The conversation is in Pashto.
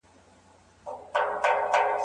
هر یوه چي مي په مخ کي پورته سر کړ